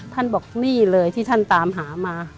ท่านบอกนี่เลยที่ท่านตามหามา